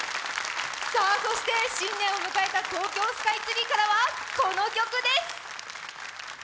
そして新年を迎えた東京スカイツリーからはこの曲です！